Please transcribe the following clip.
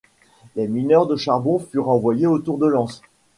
Les mineurs de charbon furent envoyés autour de Lens.